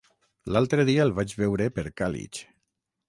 L'altre dia el vaig veure per Càlig.